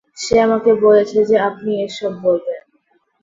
সে আমাকে বলেছে যে আপনি এসব বলবেন।